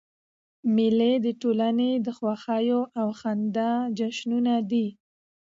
مېلې د ټولني د خوښیو او خندا جشنونه دي.